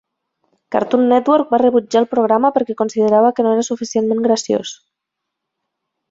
Cartoon Network va rebutjar el programa perquè considerava que no era suficientment graciós.